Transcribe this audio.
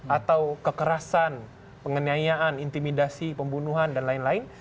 atau kekerasan penganiayaan intimidasi pembunuhan dan lain lain